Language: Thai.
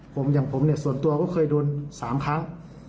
ผมอย่างผมเนี่ยส่วนตัวก็เคยโดน๓ครั้ง